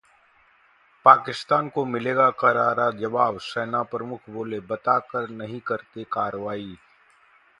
पाकिस्तान को मिलेगा करारा जवाब, सेना प्रमुख बोले- बता कर नहीं करते कार्रवाई